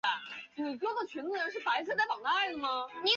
上莱茵行政圈以及越来越多的西部诸侯为法国扩张所吞并。